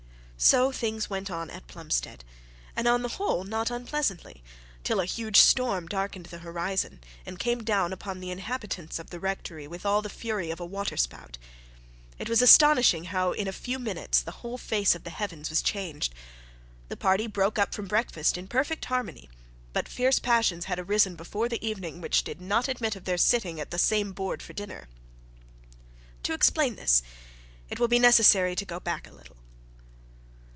So things went on at Plumstead, and on the whole not unpleasantly, till a huge storm darkened the horizon, and came down upon the inhabitants of the rectory with all the fury of a water spout. It was astonishing how in a few minutes the whole face of the heavens was changed. The party broke up from breakfast in perfect harmony; but fierce passions had arisen before the evening, which did not admit of their sitting at the same board for dinner. To explain this, it will be necessary to go back a little.